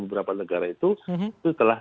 beberapa negara itu itu telah